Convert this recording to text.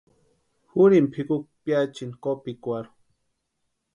Jurini pʼikukwa piachiani kópikwarhu.